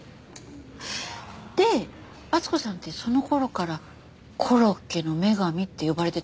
で温子さんってその頃からコロッケの女神って呼ばれてたんですか？